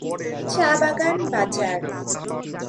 চা বাগান বাজার।